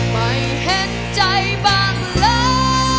ไม่เห็นใจบ้างแล้ว